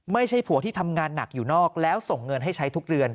ไม่ใช่ผัวที่ทำงานหนักอยู่นอกแล้วส่งเงินให้ใช้ทุกเดือน